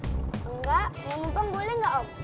enggak ngebutkan boleh gak om